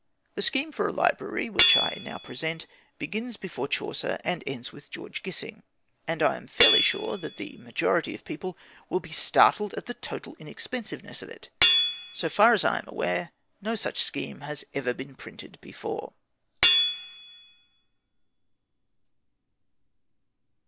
The scheme for a library, which I now present, begins before Chaucer and ends with George Gissing, and I am fairly sure that the majority of people will be startled at the total inexpensiveness of it. So far as I am aware, no such scheme has ever been printed before.